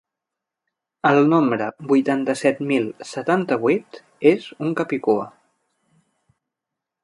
El nombre vuitanta-set mil setanta-vuit és un capicua.